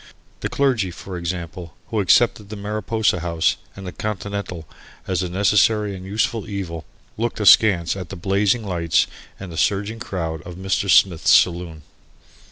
The clergy, for example, who accepted the Mariposa House and the Continental as a necessary and useful evil, looked askance at the blazing lights and the surging crowd of Mr. Smith's saloon.